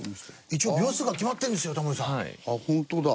一応秒数が決まってるんですよタモリさん。あっホントだ。